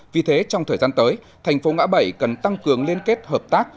vì thế trong thời gian tới thành phố ngã bảy cần tăng cường liên kết hợp tác